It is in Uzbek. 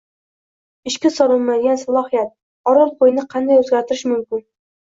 Ishga solinmagan salohiyat: Orolboʻyini qanday oʻzgartirish mumkin?